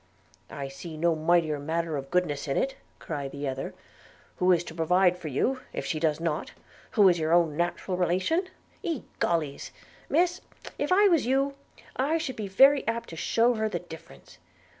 'I see no mighty matter of goodness in it,' cried the other: 'who is to provide for you, if she does not, who is your own natural relation? Egollys! Miss, if I was you, I should be very apt to shew her the difference.